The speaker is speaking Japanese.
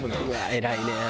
偉いね。